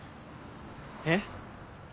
えっ？